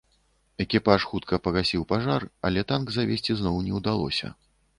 Экіпаж хутка пагасіў пажар, але танк завесці зноў не удалося.